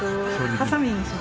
ハサミにします。